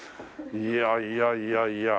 いやいやいやいや。